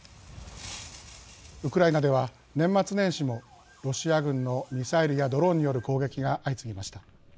ウクライナでは、年末年始もロシア軍のミサイルやドローンによる攻撃が相次ぎました。